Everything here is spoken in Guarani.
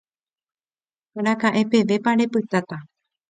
Araka'e pevépa repytáta.